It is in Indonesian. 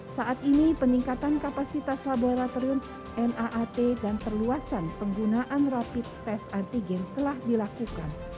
saat ini peningkatan kapasitas laboratorium naat dan perluasan penggunaan rapid test antigen telah dilakukan